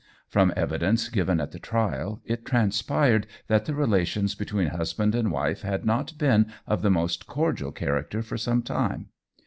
From evidence given at the trial, it transpired that the relations between husband and wife had not been of the most cordial character for some time.